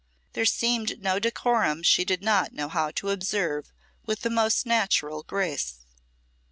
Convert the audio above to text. There seemed no decorum she did not know how to observe with the most natural grace.